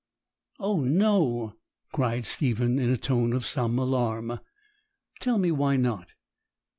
'Oh no!' cried Stephen, in a tone of some alarm. 'Tell me why not.'